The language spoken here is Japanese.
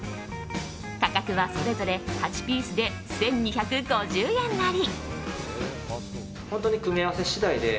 価格はそれぞれ８ピースで１２５０円なり。